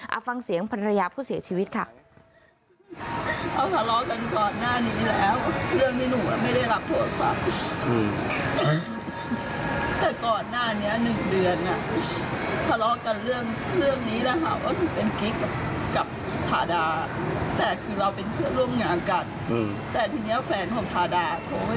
เอาฟังเสียงภรรยาผู้เสียชีวิตค่ะ